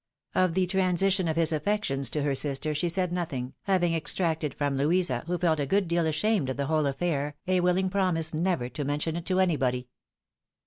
Of the transition of his affections to her sister, she said nothing, having extracted from Louisa, who felt a good deal ashamed of the whole affair, a willing promise never to mention it to anybody.